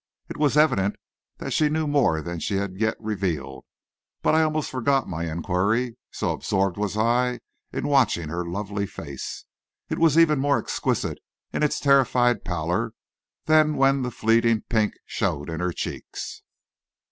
It was evident that she knew more than she had yet revealed, but I almost forgot my inquiry, so absorbed was I in watching her lovely face. It was even more exquisite in its terrified pallor than when the fleeting pink showed in her cheeks.